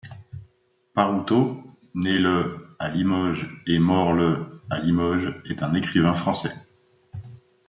Paroutaud, né le à Limoges et mort le à Limoges, est un écrivain français.